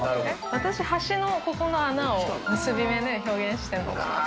私、橋のここの穴を結び目で表現してるのかなと。